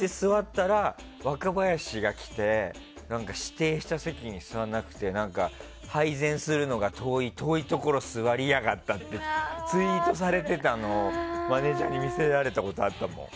若林が来て指定した席に座んなくて配膳するのが遠いところに座りやがって！ってツイートされてたのをマネジャーに見せられたことあったもん。